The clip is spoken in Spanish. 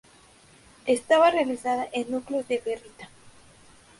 Estaba realizada en núcleos de ferrita.